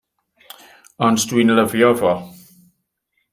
Ond dwi'n lyfio fo.